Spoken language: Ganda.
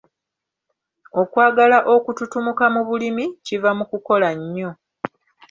Okwagala okututumuka mu bulimi kiva mu kukola nnyo.